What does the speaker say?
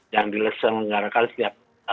yang di lesen negara kali setiap